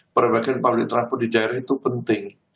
perbaikan pabrik rapuh di daerah itu penting